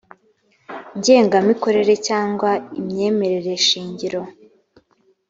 ngengamikorere cyangwa imyemerere shingiro